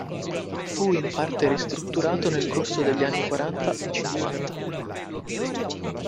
Fu in parte ristrutturato nel corso degli anni quaranta e cinquanta.